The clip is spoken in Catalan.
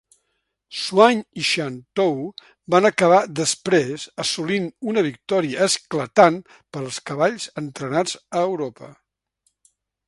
Swain i Shantou van acabar després assolint una victòria esclatant per als cavalls entrenats a Europa.